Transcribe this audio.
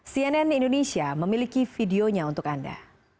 cnn indonesia memiliki videonya untuk anda